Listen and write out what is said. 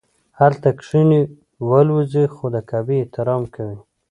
هلته کښیني والوځي خو د کعبې احترام کوي.